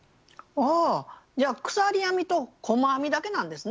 ああ鎖編みと細編みだけなんですね。